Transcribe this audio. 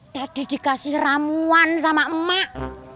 tadi dikasih ramuan sama emak